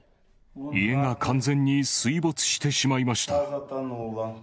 家が完全に水没してしまいました。